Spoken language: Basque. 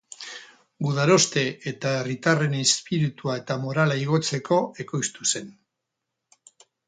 Gudaroste eta herritarren izpiritua eta morala igotzeko ekoiztu zen.